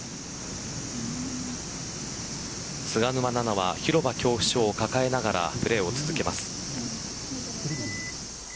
菅沼菜々は広場恐怖症を抱えながらプレーを続けます。